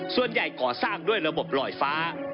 ส่วนใหญ่ก่อสร้างด้วยระบบลอยฟ้า